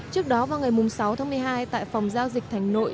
trước đó vào ngày sáu tháng một mươi hai tại phòng giao dịch thành nội